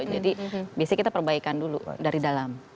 jadi biasanya kita perbaikan dulu dari dalam